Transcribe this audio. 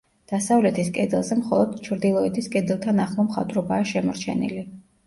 დასავლეთის კედელზე მხოლოდ ჩრდილოეთის კედელთან ახლო მხატვრობაა შემორჩენილი.